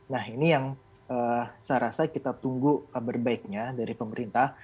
nah ini yang saya rasa kita tunggu kabar baiknya dari pemerintah